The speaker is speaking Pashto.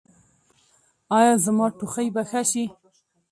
ایا زما ټوخی به ښه شي؟